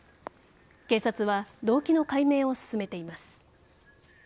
警察は動機の解明を進めています。